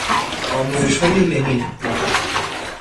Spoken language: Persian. آموزش های لنین